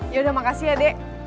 yaudah makasih ya dek